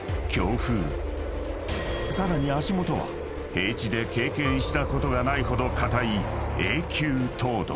［さらに足元は平地で経験したことがないほど硬い永久凍土］